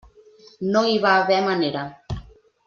No hi va haver manera.